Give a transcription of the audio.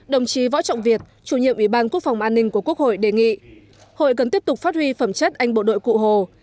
đồng chí võ trọng việt chủ nhiệm ủy ban quốc phòng an ninh của quốc hội đề nghị hội cần tiếp tục phát huy phẩm chất anh bộ đội cụ hồ